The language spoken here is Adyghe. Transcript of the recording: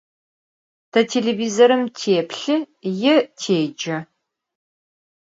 Te têlêvizorım têplhı yê têce.